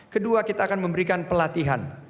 kedua kita akan memberikan pelatihan